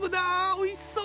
おいしそう！